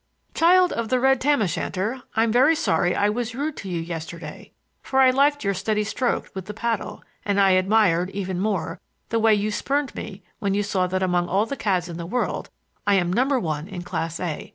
"Child of the red tam o' shanter, I'm very sorry I was rude to you yesterday, for I liked your steady stroke with the paddle; and I admired, even more, the way you spurned me when you saw that among all the cads in the world I am number one in Class A.